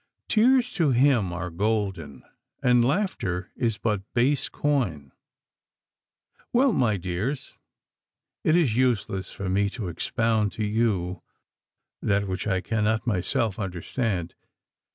Tears to him are golden, and laughter is but base coin. Well, my dears, it is useless for me to expound to you that which I cannot myself understand.